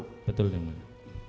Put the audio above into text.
betul yang mulia